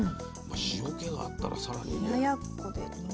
塩気があったらさらにね。